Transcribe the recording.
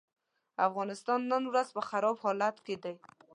افغانستان نن ورځ په خراب حالت کې دی.